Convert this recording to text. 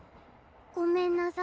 ごめんなさい。